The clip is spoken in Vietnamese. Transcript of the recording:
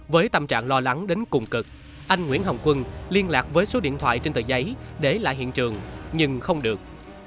với tâm trạng lo lắng đến cùng cực anh nguyễn hồng quân liên lạc với số điện thoại trên tờ giấy để lại hiện trường nhưng không được